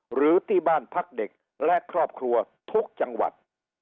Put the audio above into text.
หรือที่บ้านพักเด็กและครอบครัวทุกจังหวัด